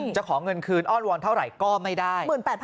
ขอเงินคืนอ้อนวอนเท่าไหร่ก็ไม่ได้